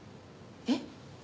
えっ？